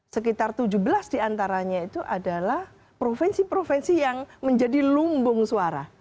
sekitar tujuh belas diantaranya itu adalah provinsi provinsi yang menjadi lumbung suara